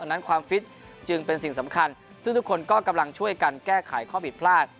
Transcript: นั้นความฟิตจึงเป็นสิ่งสำคัญซึ่งทุกคนก็กำลังช่วยกันแก้ไขข้อผิดพลาด